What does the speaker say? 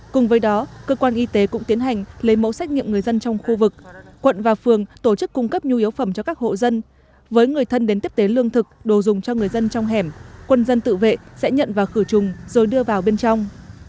cùng với đó cơ quan y tế cũng tiến hành lấy mẫu xét nghiệm người dân trong khu vực quận và phường tổ chức cung cấp nhu yếu phẩm cho các hộ dân với người thân đến tiếp tế lương thực đồ dùng cho người dân trong hẻm quân dân tự vệ sẽ nhận và khử trùng rồi đưa vào bên trong